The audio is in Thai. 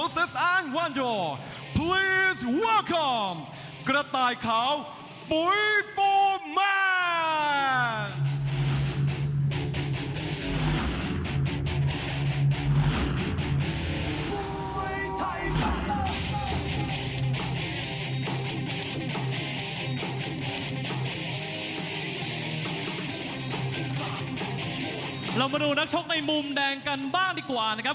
มาดูนักชกในมุมแดงกันบ้างดีกว่านะครับ